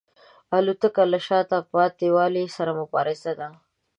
الوتکه له شاته پاتې والي سره مبارزه ده.